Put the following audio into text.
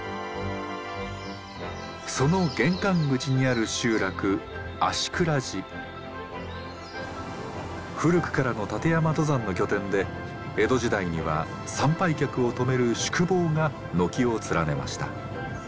その玄関口にある集落古くからの立山登山の拠点で江戸時代には参拝客を泊める宿坊が軒を連ねました。